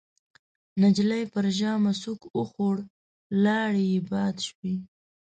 نجلۍ پر ژامه سوک وخوړ، لاړې يې باد شوې.